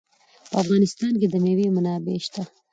په افغانستان کې د مېوې منابع شته.